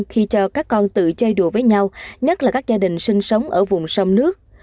giờ các con tự chơi đùa với nhau nhất là các gia đình sinh sống ở vùng sông nước